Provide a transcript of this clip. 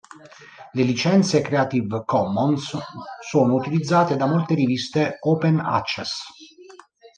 Le licenze Creative Commons sono utilizzate da molte riviste open access.